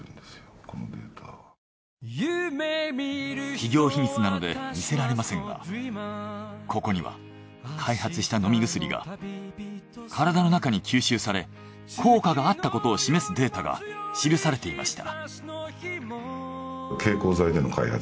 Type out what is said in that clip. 企業秘密なので見せられませんがここには開発した飲み薬が体の中に吸収され効果があったことを示すデータが記されていました。